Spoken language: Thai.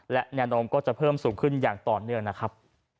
และแนวโน้มก็จะเพิ่มสูงขึ้นอย่างต่อเนื่องนะครับ